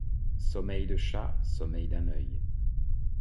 Sommeil de chat, sommeil d'un oeil.